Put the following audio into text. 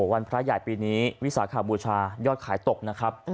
วันพระใหญ่ปีนี้วิสาขบูชายอดขายตกนะครับ